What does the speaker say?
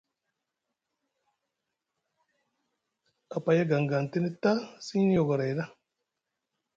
A paya gangang tini ta siŋ yogoray ɗa.